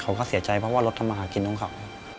เขาก็เสียใจเพราะว่ารถทำมาหากินของเขา